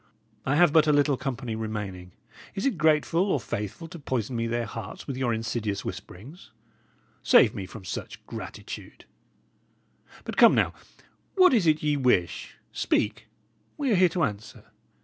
I have but a little company remaining; is it grateful or faithful to poison me their hearts with your insidious whisperings? Save me from such gratitude! But, come, now, what is it ye wish? Speak; we are here to answer.